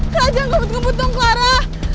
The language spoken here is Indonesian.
clara jangan ngebut ngebut dong clara